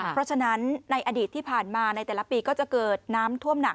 เพราะฉะนั้นในอดีตที่ผ่านมาในแต่ละปีก็จะเกิดน้ำท่วมหนัก